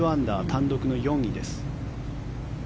単独の４位です。